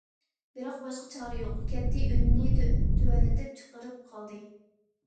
بىراق، باشقا چارە يوق... كەتتى ئۈنىنى تۆۋەنلىتىپ چىقىرىپ قالدى.